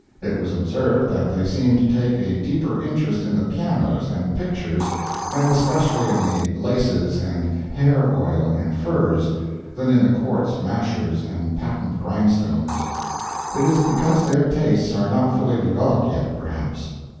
It was observed that they seemed to take a deeper interest in the pianos and pictures, and especially in the laces and hair oil and furs, than in the quartz mashers and patent grindstones. It is because their tastes are not fully developed yet, perhaps.